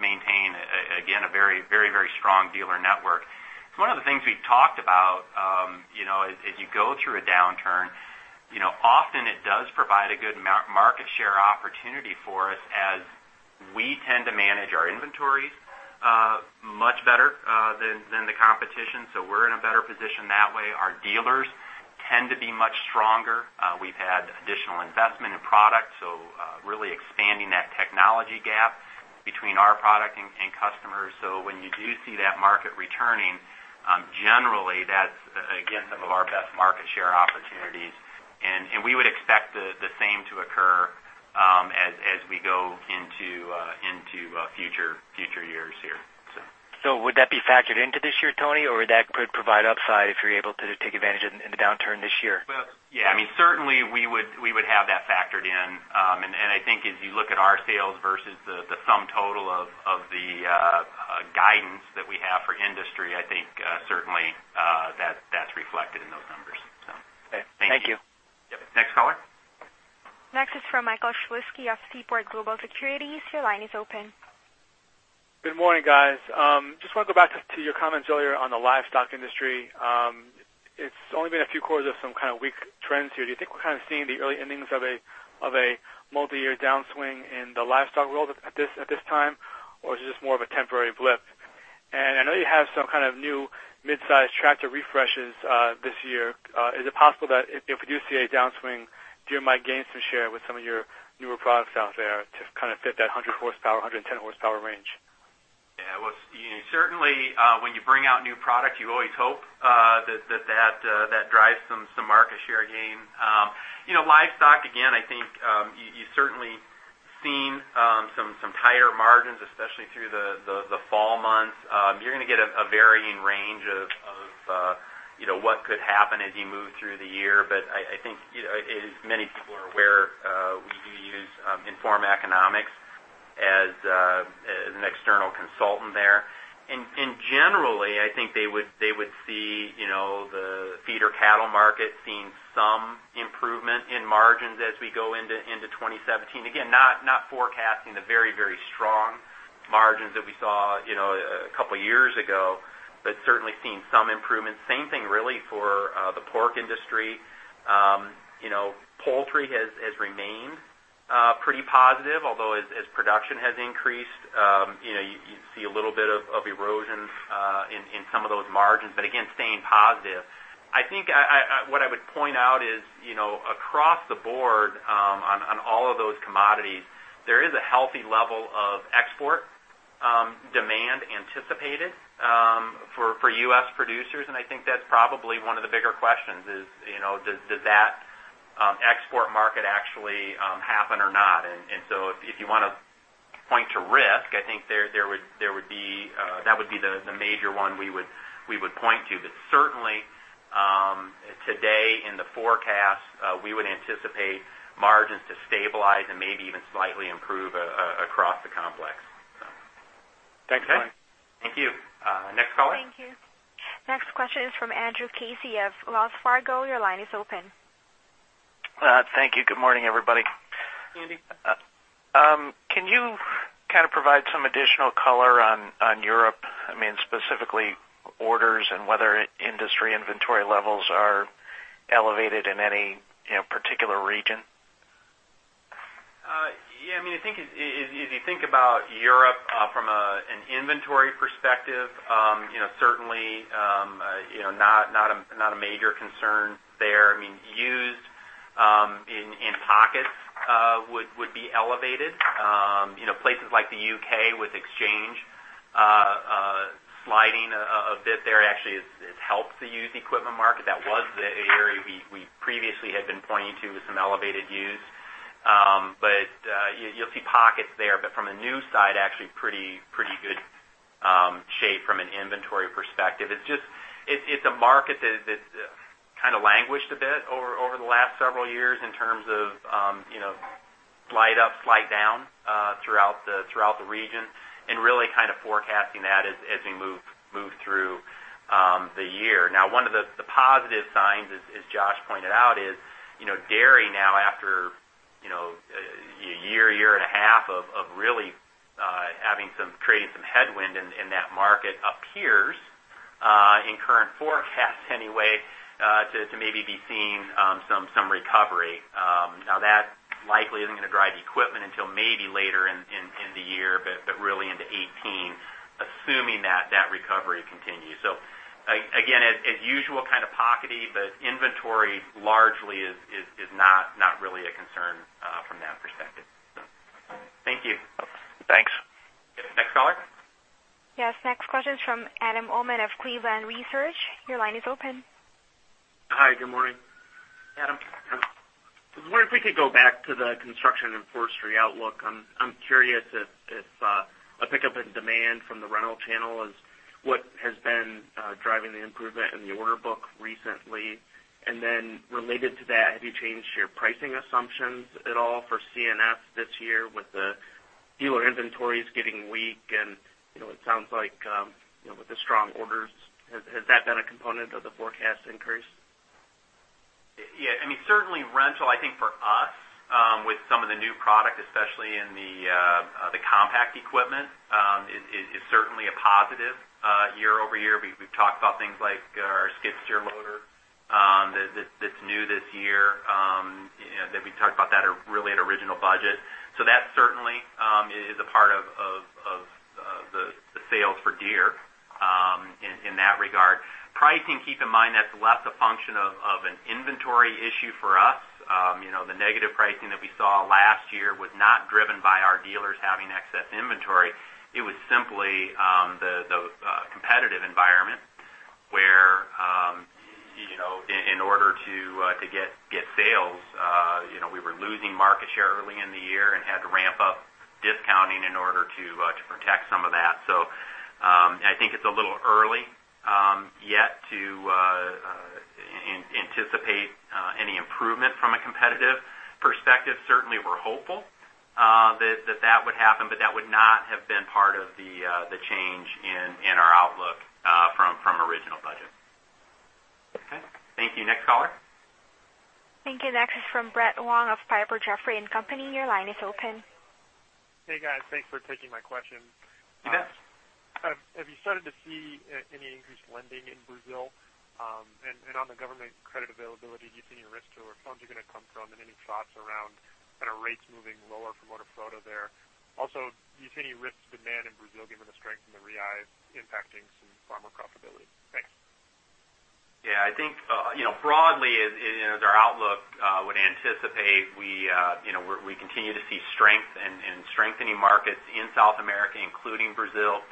B: maintain, again, a very strong dealer network. It's one of the things we talked about as you go through a downturn, often it does provide a good market share opportunity for us as we tend to manage our inventories much better than the competition. We're in a better position that way. Our dealers tend to be much stronger. We've had additional investment in product, so really expanding that technology gap between our product and customers. When you do see that market returning, generally that's, again, some of our best market share opportunities, and we would expect the same to occur as we go into future years here.
M: Would that be factored into this year, Tony, or would that provide upside if you're able to take advantage in the downturn this year?
B: Well, yeah. Certainly, we would have that factored in. I think as you look at our sales versus the sum total of the guidance that we have for industry, I think certainly that's reflected in those numbers.
M: Okay. Thank you.
B: Yep. Next caller?
A: Next is from Michael Chwistek of Seaport Global Securities. Your line is open.
N: Good morning, guys. Just want to go back to your comments earlier on the livestock industry. It's only been a few quarters of some kind of weak trends here. Do you think we're kind of seeing the early innings of a multi-year downswing in the livestock world at this time, or is it just more of a temporary blip? I know you have some kind of new mid-size tractor refreshes this year. Is it possible that if we do see a downswing, Deere might gain some share with some of your newer products out there to kind of fit that 100 horsepower, 110 horsepower range?
B: Yeah. Well, certainly, when you bring out new product, you always hope that drives some market share gain. Livestock, again, I think you've certainly seen some tighter margins, especially through the fall months. You're going to get a varying range of what could happen as you move through the year. I think as many people are aware, we do use Informa Economics as an external consultant there. Generally, I think they would see the feeder cattle market seeing some improvement in margins as we go into 2017. Again, not forecasting the very strong margins that we saw a couple of years ago, but certainly seeing some improvement. Same thing, really, for the pork industry. Poultry has remained pretty positive, although as production has increased you see a little bit of erosion in some of those margins, but again, staying positive. I think what I would point out is across the board on all of those commodities, there is a healthy level of export demand anticipated for U.S. producers, I think that's probably one of the bigger questions is, does that export market actually happen or not? If you want to point to risk, I think that would be the major one we would point to. Certainly, today in the forecast, we would anticipate margins to stabilize and maybe even slightly improve across the complex.
N: Thanks.
B: Okay. Thank you. Next caller?
A: Thank you. Next question is from Andrew Casey of Wells Fargo. Your line is open.
O: Thank you. Good morning, everybody.
B: Andy.
O: Can you kind of provide some additional color on Europe? Specifically, orders and whether industry inventory levels are elevated in any particular region?
B: Yeah. If you think about Europe from an inventory perspective, certainly not a major concern there. Used in pockets would be elevated. Places like the U.K. with exchange sliding a bit there actually has helped the used equipment market. That was the area we previously had been pointing to with some elevated used. You'll see pockets there. From a new side, actually pretty good shape from an inventory perspective. It's a market that's kind of languished a bit over the last several years in terms of slight up, slight down throughout the region and really kind of forecasting that as we move through the year. One of the positive signs, as Josh pointed out, is dairy now after a year and a half of really creating some headwind in that market appears, in current forecasts anyway, to maybe be seeing some recovery. That likely isn't going to drive equipment until maybe later in the year, but really into 2018, assuming that recovery continues. Again, as usual, kind of pockety, but inventory largely is not really a concern from that perspective. Thank you.
O: Thanks.
B: Next caller?
A: Yes. Next question is from Adam Uhlman of Cleveland Research. Your line is open.
P: Hi, good morning.
B: Adam.
P: I wonder if we could go back to the Construction & Forestry outlook. I'm curious if a pickup in demand from the rental channel is what has been driving the improvement in the order book recently. Related to that, have you changed your pricing assumptions at all for C&F this year with the dealer inventories getting weak and it sounds like with the strong orders. Has that been a component of the forecast increase?
B: Yeah. Certainly rental, I think for us, with some of the new product, especially in the compact equipment, is certainly a positive year-over-year. We've talked about things like our skid steer loader that's new this year, that we talked about that really at original budget. That certainly is a part of the sales for Deere in that regard. Pricing, keep in mind, that's less a function of an inventory issue for us. The negative pricing that we saw last year was not driven by our dealers having excess inventory. It was simply the competitive environment where in order to get sales we were losing market share early in the year and had to ramp up discounting in order to protect some of that. I think it's a little early yet to anticipate any improvement from a competitive perspective. Certainly, we're hopeful that that would happen, but that would not have been part of the change in our outlook from original budget. Okay. Thank you. Next caller?
A: Thank you. Next is from Brett Wong of Piper Jaffray & Company. Your line is open.
Q: Hey, guys. Thanks for taking my questions.
B: Yes.
Q: Have you started to see any increased lending in Brazil? On the government credit availability, do you see any risk to where funds are going to come from and any thoughts around kind of rates moving lower for Moderfrota there? Do you see any risk to demand in Brazil given the strength in the Brazilian Real impacting some farmer profitability? Thanks.
B: Yeah, I think broadly as our outlook would anticipate, we continue to see strength and strengthening markets in South America, including Brazil.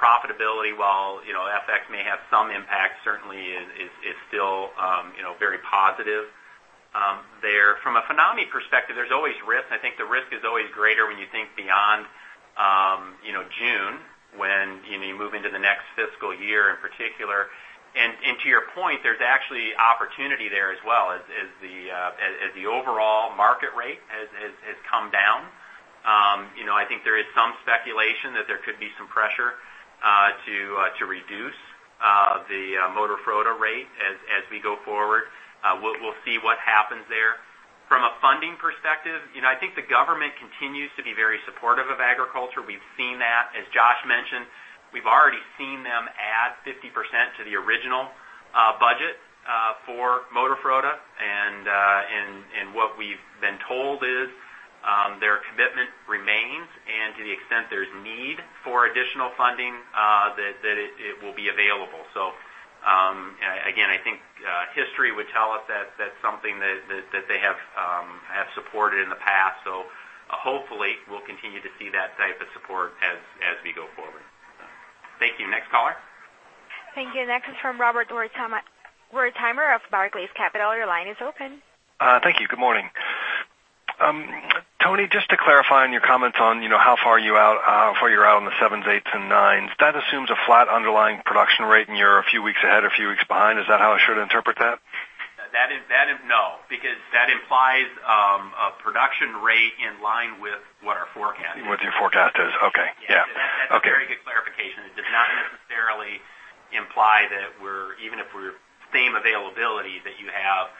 B: Profitability, while FX may have some impact, certainly is still very positive there. From a Finame perspective, there's always risk. I think the risk is always greater when you think beyond June when you move into the next fiscal year in particular. To your point, there's actually opportunity there as well as the overall market rate has come down. I think there is some speculation that there could be some pressure to reduce the Moderfrota rate as we go forward. We'll see what happens there. From a funding perspective, I think the government continues to be very supportive of agriculture. We've seen that, as Josh mentioned. We've already seen them add 50% to the original budget for Moderfrota. What we've been told is their commitment remains, and to the extent there's need for additional funding that it will be available. Again, I think history would tell us that that's something that they have supported in the past. Hopefully we'll continue to see that type of support as we go forward. Thank you. Next caller.
A: Thank you. Next is from Robert Wertheimer of Barclays Capital. Your line is open.
R: Thank you. Good morning. Tony, just to clarify on your comments on how far you're out on the sevens, eights, and nines. That assumes a flat underlying production rate, and you're a few weeks ahead, a few weeks behind. Is that how I should interpret that?
B: No, because that implies a production rate in line with what our forecast is.
R: What your forecast is. Okay. Yeah.
B: Yeah.
R: Okay.
B: That's a very good clarification. It does not necessarily imply that even if we're same availability, that you have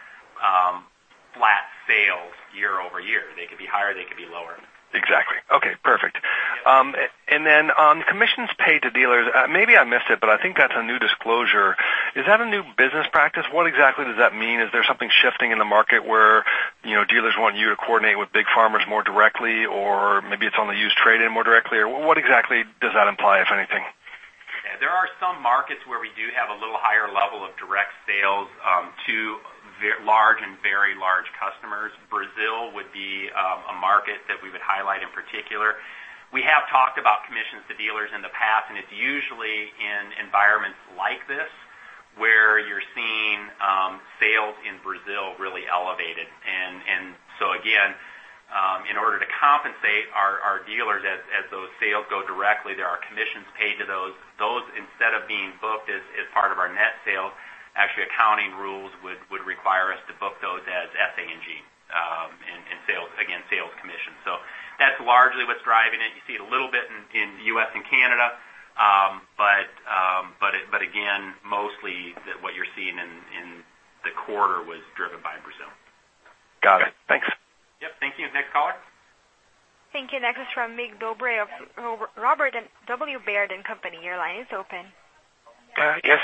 B: flat sales year-over-year. They could be higher, they could be lower.
R: Exactly. Okay, perfect. Then on commissions paid to dealers, maybe I missed it, but I think that's a new disclosure. Is that a new business practice? What exactly does that mean? Is there something shifting in the market where dealers want you to coordinate with big farmers more directly? Or maybe it's on the used trade-in more directly, or what exactly does that imply, if anything?
B: Yeah. There are some markets where we do have a little higher level of direct sales to large and very large customers. Brazil would be a market that we would highlight in particular. We have talked about commissions to dealers in the past, it's usually in environments like this where you're seeing sales in Brazil really elevated. Again, in order to compensate our dealers as those sales go directly, there are commissions paid to those. Those instead of being booked as part of our net sales, actually accounting rules would require us to book those as SA&G in sales, again, sales commission. That's largely what's driving it. You see it a little bit in U.S. and Canada. Again, mostly what you're seeing in the quarter was driven by Brazil.
R: Got it. Thanks.
B: Yep. Thank you. Next caller.
A: Thank you. Next is from Mircea Dobre of Robert W. Baird & Co.. Your line is open.
S: Yes.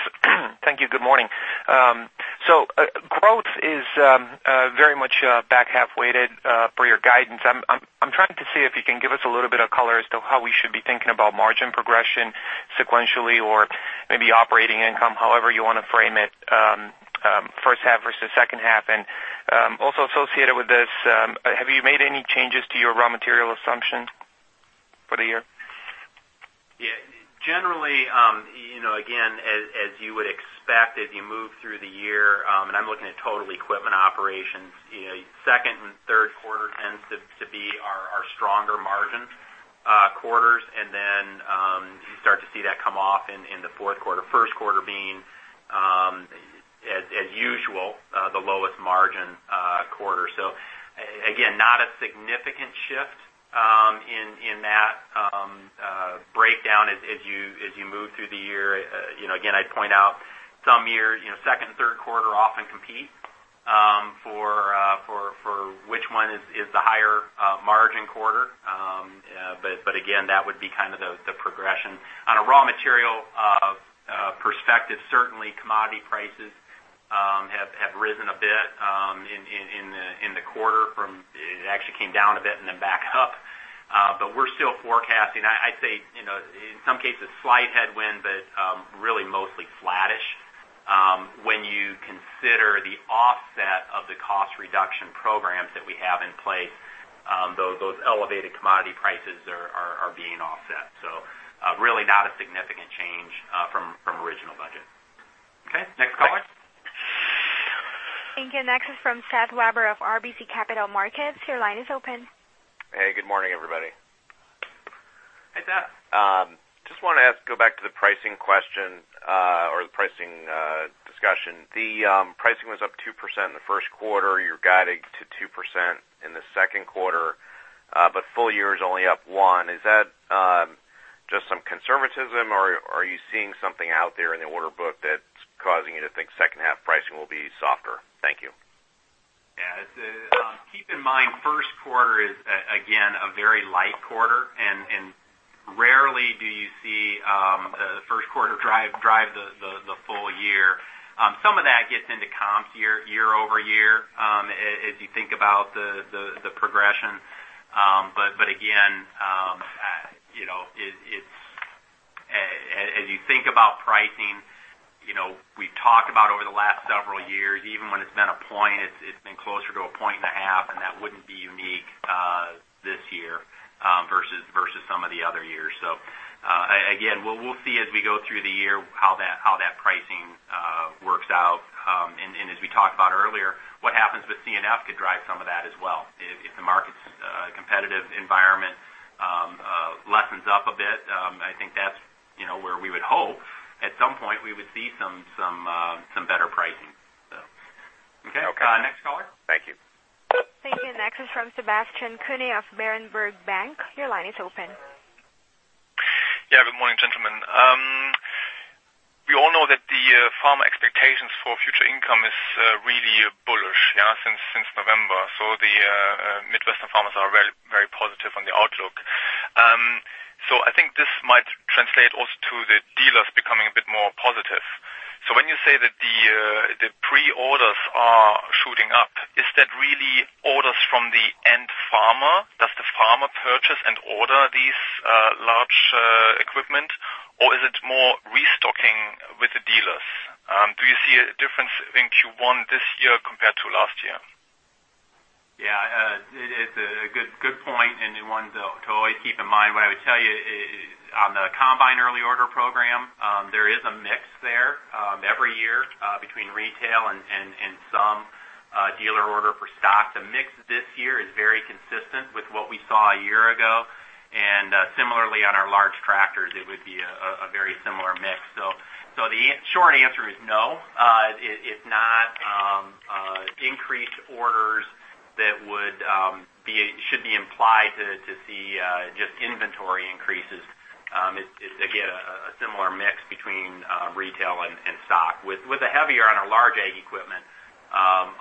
S: Thank you. Good morning. Growth is very much back half weighted, per your guidance. I'm trying to see if you can give us a little bit of color as to how we should be thinking about margin progression sequentially or maybe operating income, however you want to frame it, first half versus second half. Also associated with this, have you made any changes to your raw material assumption for the year?
B: Yeah. Generally again, as you would expect if you move through the year, I'm looking at total equipment operations, second and third quarter tends to be our stronger margin quarters. Then you start to see that come off in the fourth quarter. First quarter being, as usual, the lowest margin quarter. Again, not a significant shift in that breakdown as you move through the year. Again, I'd point out some years, second and third quarter often compete for which one is the higher margin quarter. Again, that would be kind of the progression. On a raw material perspective, certainly commodity prices have risen a bit in the quarter from, it actually came down a bit and then back up. We're still forecasting, I'd say, in some cases slight headwind, but really mostly flattish. When you consider the offset of the cost reduction programs that we have in place, those elevated commodity prices are being offset. Really not a significant change from original budget.
S: Okay. Thanks.
B: Next caller.
A: Thank you. Next is from Seth Weber of RBC Capital Markets. Your line is open.
T: Hey, good morning, everybody.
B: Hey, Seth.
T: Just wanted to go back to the pricing question, or the pricing discussion. The pricing was up 2% in the first quarter. You're guiding to 2% in the second quarter. Full year is only up 1%. Is that just some conservatism, or are you seeing something out there in the order book that's causing you to think second half pricing will be softer? Thank you.
B: Yeah. Keep in mind, first quarter is, again, a very light quarter, and rarely do you see the first quarter drive the full year. Some of that gets into comp year-over-year, if you think about the progression. As you think about pricing, we've talked about over the last several years, even when it's been 1%, it's been closer to 1.5%, and that wouldn't be unique this year versus some of the other years. Again, we'll see as we go through the year how that pricing works out. And as we talked about earlier, what happens with C&F could drive some of that as well. If the market's competitive environment lessens up a bit, I think that's where we would hope at some point we would see some better pricing.
T: Okay.
B: Next caller.
T: Thank you.
A: Thank you. Next is from Sebastian Bray of Berenberg Bank. Your line is open.
U: Yeah. Good morning, gentlemen. We all know that the farmer expectations for future income is really bullish, yeah, since November. The Midwestern farmers are very positive on the outlook. I think this might translate also to the dealers becoming a bit more positive. When you say that the pre-orders are shooting up, is that really orders from the end farmer for purchase and order these large equipment, or is it more restocking with the dealers? Do you see a difference in Q1 this year compared to last year?
B: Yeah. It's a good point and one to always keep in mind. What I would tell you is on the Combine Early Order Program, there is a mix there every year between retail and some dealer order for stock. The mix this year is very consistent with what we saw a year ago, and similarly on our large tractors, it would be a very similar mix. The short answer is no. It's not increased orders that should be implied to see just inventory increases. It's again, a similar mix between retail and stock. With a heavier on our large ag equipment, a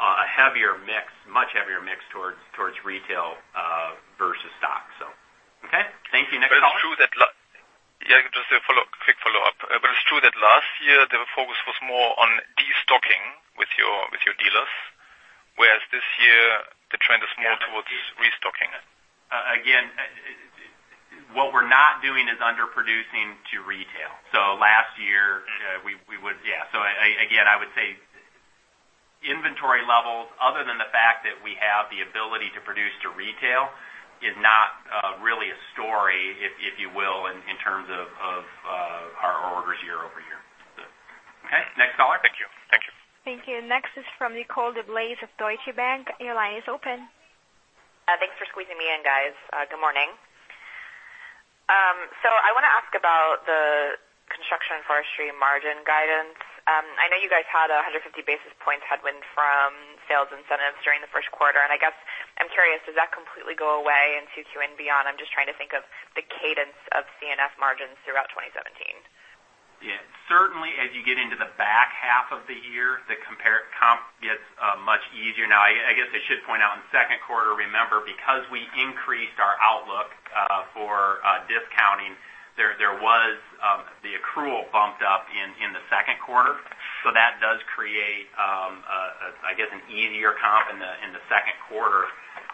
B: much heavier mix towards retail versus stock. Okay? Thank you. Next caller.
U: Yeah, just a quick follow-up. It's true that last year the focus was more on destocking with your dealers, whereas this year the trend is more towards restocking.
B: Again, what we're not doing is under-producing to retail. Last year we would. Again, I would say inventory levels, other than the fact that we have the ability to produce to retail, is not really a story, if you will, in terms of our orders year-over-year. Okay, next caller?
U: Thank you.
A: Thank you. Next is from Nicole DeBlase of Deutsche Bank. Your line is open.
V: Thanks for squeezing me in, guys. Good morning. I want to ask about the Construction & Forestry margin guidance. I know you guys had 150 basis points headwind from sales incentives during the first quarter. I guess I'm curious, does that completely go away in 2Q and beyond? I'm just trying to think of the cadence of C&F margins throughout 2017.
B: Yeah. Certainly, as you get into the back half of the year, the comp gets much easier. Now, I guess I should point out in the second quarter, remember, because we increased our outlook for discounting, there was the accrual bumped up in the second quarter. That does create an easier comp in the second quarter.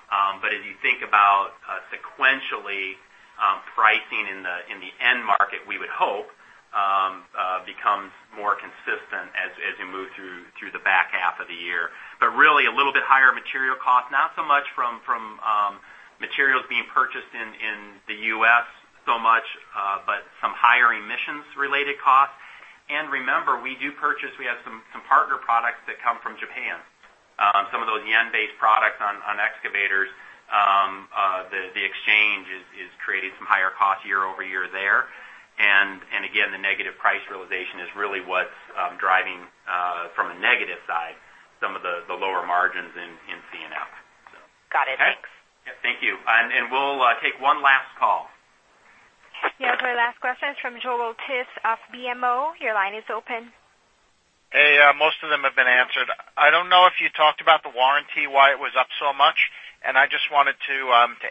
B: As you think about sequentially pricing in the end market, we would hope becomes more consistent as you move through the back half of the year. Really a little bit higher material cost, not so much from materials being purchased in the U.S. so much, but some higher emissions-related costs. And remember, we do purchase, we have some partner products that come from Japan. Some of those yen-based products on excavators, the exchange has created some higher cost year-over-year there. Again, the negative price realization is really what's driving from a negative side, some of the lower margins in C&F.
V: Got it. Thanks.
B: Yeah, thank you. We'll take one last call.
A: Yeah, the last question is from Joel Tiss of BMO. Your line is open.
W: Hey. Most of them have been answered. I don't know if you talked about the warranty, why it was up so much, and I just wanted to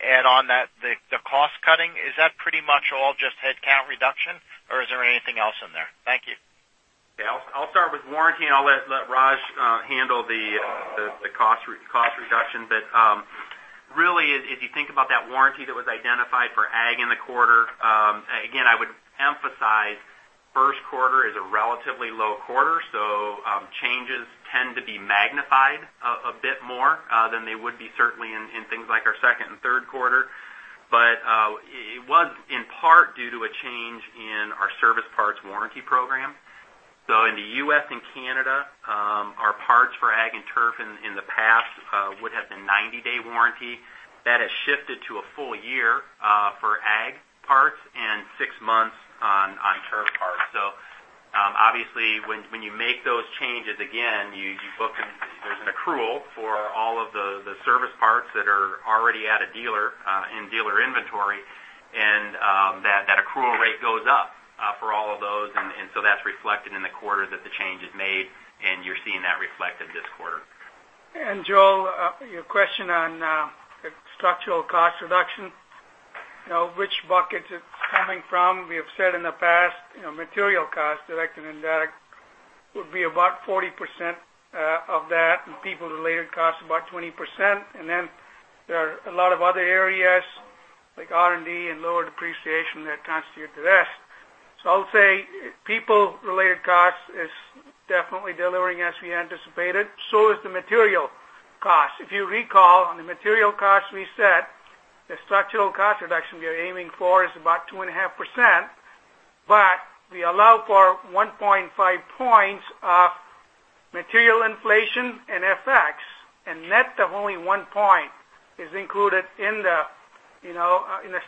W: add on that the cost-cutting, is that pretty much all just headcount reduction, or is there anything else in there? Thank you.
B: Okay. I'll start with warranty, and I'll let Raj handle the cost reduction. Really, if you think about that warranty that was identified for ag in the quarter, again, I would emphasize first quarter is a relatively low quarter, changes tend to be magnified a bit more than they would be certainly in things like our second and third quarter. But it was in part due to a change in our service parts warranty program. In the U.S. and Canada, our parts for ag and turf in the past would have been 90-day warranty. That has shifted to a full year for ag parts and six months on turf parts. Obviously, when you make those changes again, there's an accrual for all of the service parts that are already at a dealer in dealer inventory, and that accrual rate goes up for all of those. That's reflected in the quarter that the change is made, and you're seeing that reflected this quarter.
I: Joel, your question on structural cost reduction, which buckets it's coming from. We have said in the past material costs, direct and indirect, would be about 40% of that, and people-related costs about 20%. There are a lot of other areas like R&D and lower depreciation that constitute the rest. I'll say people-related costs is definitely delivering as we anticipated. Is the material cost. If you recall on the material costs we set, the structural cost reduction we are aiming for is about 2.5%, but we allow for 1.5 points of material inflation and FX, and net of only one point is included in the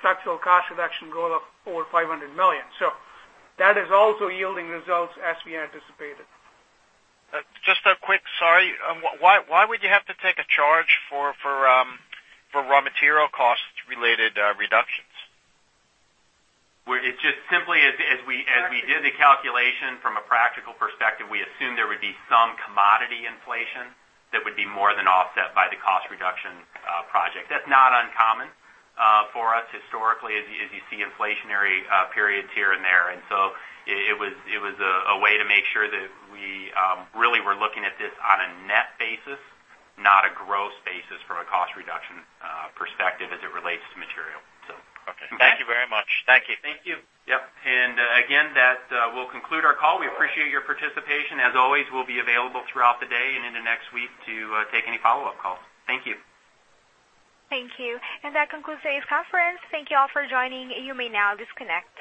I: structural cost reduction goal of over $500 million. That is also yielding results as we anticipated.
W: Just a quick, sorry. Why would you have to take a charge for raw material cost-related reductions?
B: It just simply as we did the calculation from a practical perspective, we assumed there would be some commodity inflation that would be more than offset by the cost reduction project. That's not uncommon for us historically as you see inflationary periods here and there. It was a way to make sure that we really were looking at this on a net basis, not a gross basis from a cost reduction perspective as it relates to material.
W: Okay. Thank you very much. Thank you.
I: Thank you.
B: Yep. Again, that will conclude our call. We appreciate your participation. As always, we'll be available throughout the day and into next week to take any follow-up calls. Thank you.
A: Thank you. That concludes today's conference. Thank you all for joining. You may now disconnect.